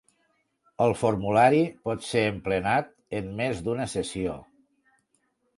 El formulari pot ser emplenat en més d'una sessió.